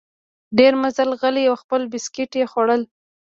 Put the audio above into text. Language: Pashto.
ډېر مزل غلی او خپل بسکیټ یې خوړل.